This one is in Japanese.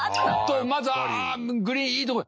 まずはグリーンいいとこ。